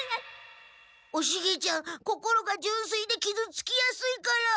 おシゲちゃん心がじゅんすいできずつきやすいから。